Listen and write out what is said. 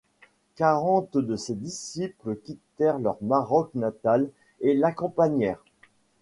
Quarante de ses disciples quittèrent leur Maroc natal et l'accompagnèrent.